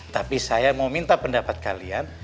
tapi saya mau minta pendapat kalian